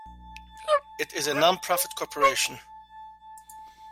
It is a non-profit corporation.